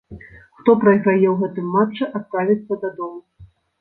Хто прайграе ў гэтым матчы, адправіцца дадому.